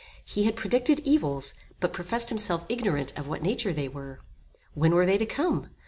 He had predicted evils, but professed himself ignorant of what nature they were. When were they to come?